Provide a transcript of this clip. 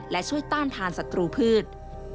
และช่วยต้านทานศัตรูพืช